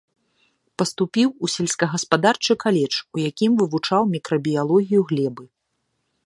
Паступіў у сельскагаспадарчы каледж, у якім вывучаў мікрабіялогію глебы.